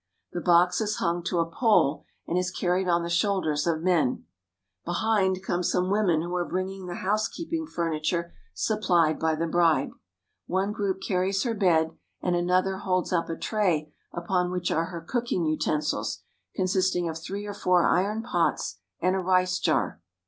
The box is hung to a pole, and is carried on the shoulders of men. Behind come some women who are bringing the THE VILLAGES OF INDIA 26 1 housekeeping furniture supplied by the bride. One group carries her bed, and another holds up a tray upon which are her cooking utensils, consisting of three or four iron pots and a rice jar.